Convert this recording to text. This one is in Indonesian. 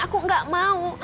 aku gak mau